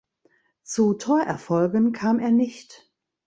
Zu Torerfolgen kam er nicht.